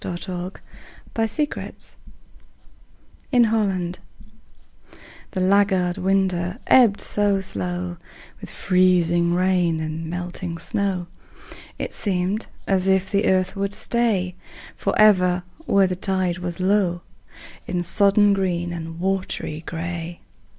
FLOOD TIDE OF FLOWERS IN HOLLAND The laggard winter ebbed so slow With freezing rain and melting snow, It seemed as if the earth would stay Forever where the tide was low, In sodden green and watery gray.